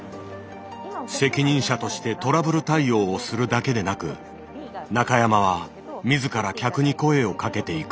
責任者としてトラブル対応をするだけでなく中山は自ら客に声をかけていく。